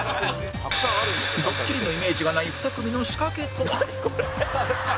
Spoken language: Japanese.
ドッキリのイメージがない２組の仕掛けとは？